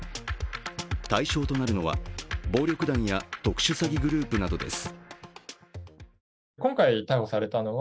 対象となるのは暴力団や特殊詐欺グループなどです。